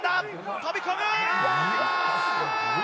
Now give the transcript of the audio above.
飛び込む！